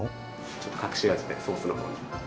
ちょっと隠し味でソースの方に。